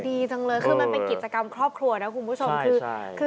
ดีจังเลยคือมันกิจกรรมครอบครัวนะคุณผู้ชม